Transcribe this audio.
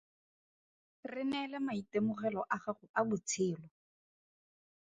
Re neele maitemogelo a gago a botshelo.